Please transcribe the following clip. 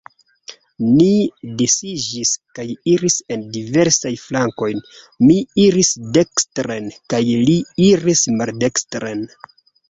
Ni disiĝis kaj iris en diversajn flankojn: mi iris dekstren, kaj li iris maldekstren.